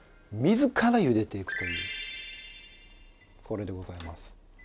水からゆでていくというこれでございます。